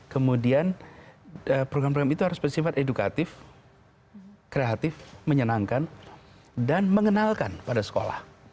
kemudian program program itu harus bersifat edukatif kreatif menyenangkan dan mengenalkan pada sekolah